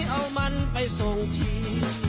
เอามันไปส่งที